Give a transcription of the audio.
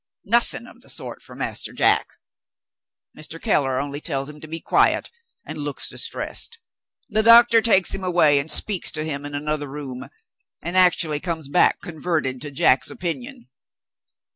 Nothing of the sort for Master Jack. Mr. Keller only tells him to be quiet, and looks distressed. The doctor takes him away, and speaks to him in another room and actually comes back converted to Jack's opinion!"